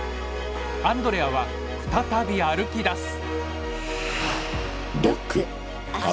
アンドレアは再び歩きだす。